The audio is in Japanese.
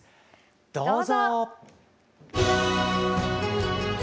どうぞ。